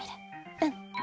うん。